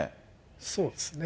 そうですね。